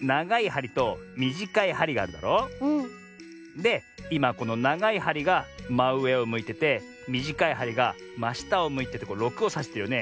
でいまこのながいはりがまうえをむいててみじかいはりがましたをむいてて６をさしてるよね。